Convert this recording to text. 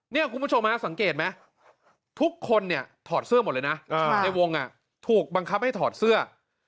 คุณผู้ชมสังเกตไหมทุกคนเนี่ยถอดเสื้อหมดเลยนะในวงถูกบังคับให้ถอดเสื้อ